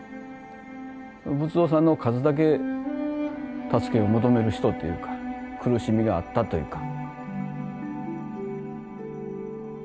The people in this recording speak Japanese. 仏像さんの数だけ助けを求める人っていうか苦しみがあったというか。